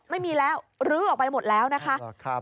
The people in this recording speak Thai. ไม่มีแล้วลื้อออกไปหมดแล้วนะคะ